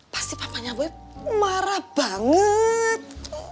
pasti papanya bu marah banget